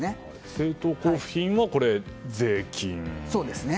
政党交付金も税金ですよね。